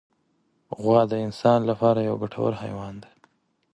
غوا د انسان له پاره یو ګټور حیوان دی.